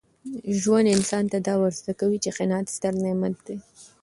ژوند انسان ته دا ور زده کوي چي قناعت ستر نعمت دی.